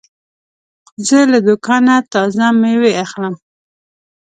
زه له دوکانه تازه مېوې اخلم.